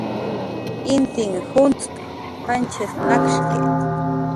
"Intin juncx'p"" janchis nakshki"